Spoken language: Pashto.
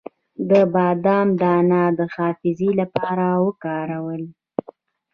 د بادام دانه د حافظې لپاره وکاروئ